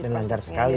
dan lancar sekali